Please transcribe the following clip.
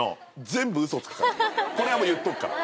これはもう言っとくから。